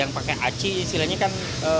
yang pakai aci istilahnya kan